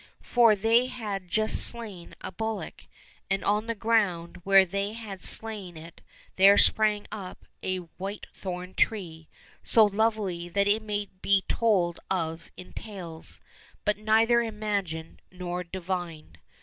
" For they had just slain a bullock, and on the ground where they had slain it there sprang up a whitethorn tree, so lovely that it may be told of in tales, but neither imagined nor divined.